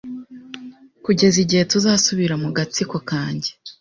Kugeza igihe tuzasubira mu gatsiko kanjye